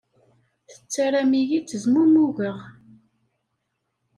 Tettarram-iyi ttezmumugeɣ.